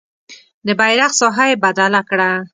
د بیرغ ساحه یې بدله کړه.